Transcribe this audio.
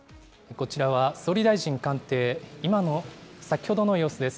こちらは総理大臣官邸、先ほどの様子です。